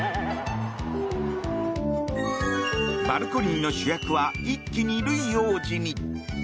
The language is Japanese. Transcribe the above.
バルコニーの主役は一気にルイ王子に。